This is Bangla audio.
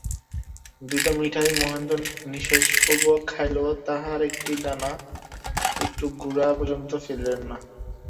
দুইটি মিঠাই মহেন্দ্র নিঃশেূর্বক খাইল–তাহার একটি দানা, একটু গুঁড়া পর্যন্ত ফেলিল না।